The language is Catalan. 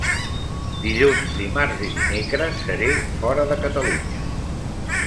Dilluns, dimarts i dimecres seré fora de Catalunya.